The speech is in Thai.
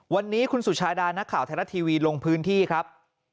วันนี้คุณสุชาดานักข่าวไทยรัฐทีวีลงพื้นที่ครับ